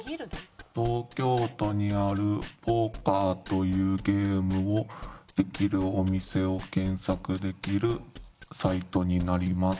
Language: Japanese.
東京都にあるポーカーというゲームをできるお店を検索できるサイトになります。